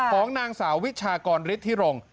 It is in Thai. ของนางสาววิชากรฤทธิรงค์